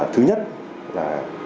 thứ nhất là